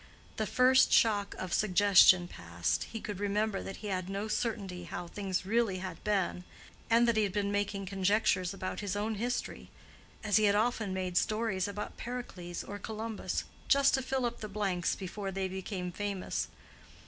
The first shock of suggestion past, he could remember that he had no certainty how things really had been, and that he had been making conjectures about his own history, as he had often made stories about Pericles or Columbus, just to fill up the blanks before they became famous.